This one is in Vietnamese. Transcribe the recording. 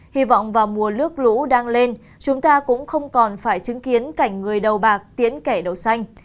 hy vọng vào mùa nước lũ đang lên chúng ta cũng không còn phải chứng kiến cảnh người đầu bạc tiến kẻ đầu xanh